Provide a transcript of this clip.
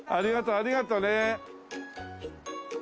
ありがとうね。